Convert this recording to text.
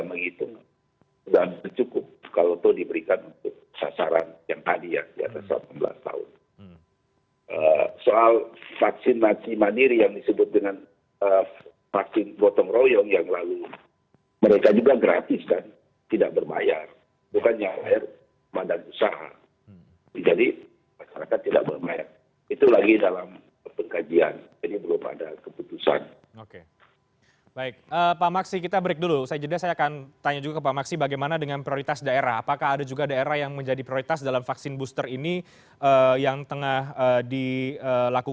ketika itu pula resistensi terhadap program vaksin itu tercikik